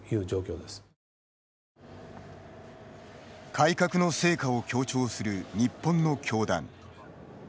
改革の成果を強調する日本の教団。